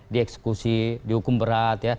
dieksekusi dihukum berat